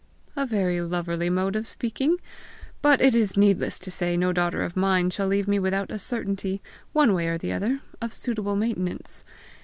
"A very loverly mode of speaking! But it is needless to say no daughter of mine shall leave me without a certainty, one way or the other, of suitable maintenance.